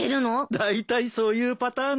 だいたいそういうパターンだからだよ。